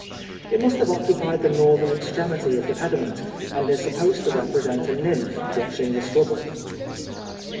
It must have occupied the northern extremity of the pediment, and is supposed to represent a nymph watching the struggle.